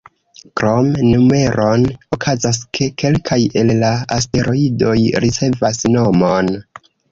Krom numeron, okazas, ke kelkaj el la asteroidoj ricevas nomon.